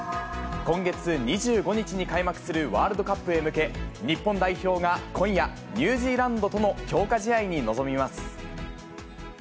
今月２５日に開幕するワールドカップへ向け、日本代表が今夜、ニュージーランドとの強化試合に臨みます。